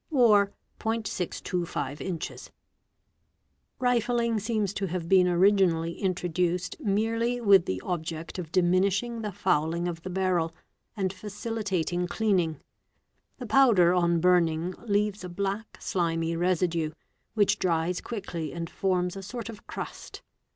in ia Rifling seems to have been originally introduced merely with the _ object of diminishing the fouling of the barrel and facilitating cleaning. : Sa he powder on burning leaves a black, slimy residue, which dries quickly ; and forms a sort of crust.